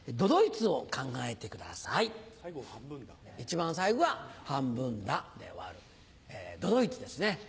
一番最後は「半分だ」で終わる都々逸ですね。